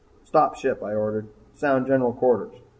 "Stop ship," I ordered. "Sound general quarters."